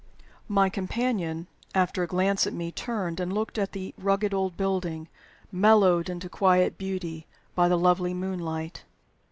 My companion, after a glance at me, turned and looked at the rugged old building, mellowed into quiet beauty by the lovely moonlight.